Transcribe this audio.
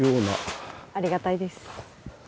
ありがたいです。